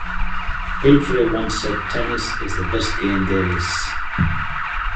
Palfrey once said, Tennis is the best game there is.